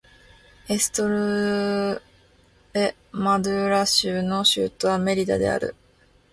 エストレマドゥーラ州の州都はメリダである